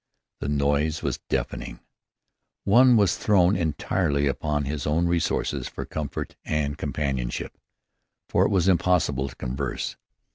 The noise was deafening. One was thrown entirely upon his own resources for comfort and companionship, for it was impossible to converse.